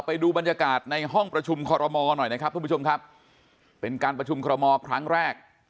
ไปดูบรรยากาศในห้องประชุมคอรมอหน่อยนะครับทุกผู้ชมครับเป็นการประชุมคอรมอลครั้งแรก